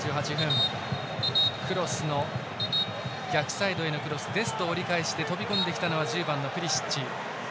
逆サイドのクロスデスト、折り返して飛び込んできたのは１０番のプリシッチ。